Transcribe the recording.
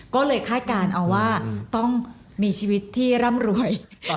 ก็เลยคาดการณ์เอาว่าต้องมีชีวิตที่ร่ำรวย